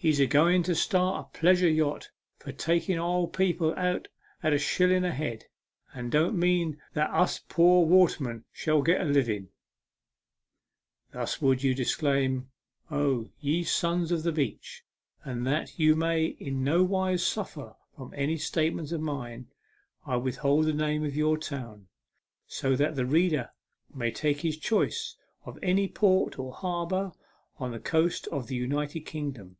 He's agoing to start a pleasure yacht for taking o' people out at a shilling a head, and don't mean that us pore watermen shall get a living/' Thus would you declaim, oh, ye sons of the beach ; and that you may in no wise suffer from any statements of mine, I withhold the name of your town, so that the reader may take his choice of any port or harbour on the coast of the United Kingdom.